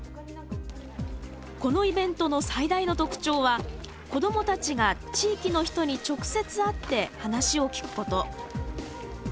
このイベントの最大の特徴は子どもたちが地域の人に直接会って話を聞くこと。